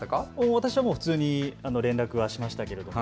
私は普通に連絡はしましたけども。